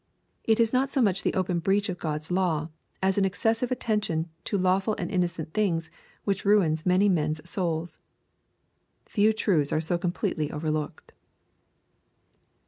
It is not so much the open breach of God's law, as an excessive attention to lawful and innocent things which ruins many men's souls. Few truths are so completely overlooked.